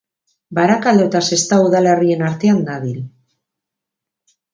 Barakaldo eta Sestao udalerrien artean dabil.